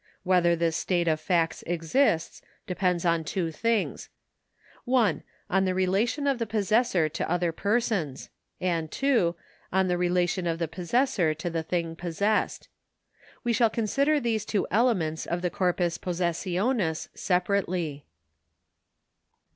Whether this state of facts exists depends on two things :( 1 ) on the relation of the possessor to other persons, and (2) on the relation of the possessor to the thing possessed. We shall consider these two elements of the corpus possessionis separately.